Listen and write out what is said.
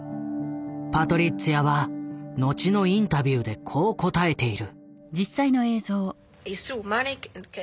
パトリッツィアは後のインタビューでこう答えている。